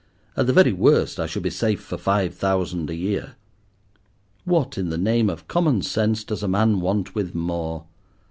"At the very worst I should be safe for five thousand a year. What, in the name of common sense, does a man want with more?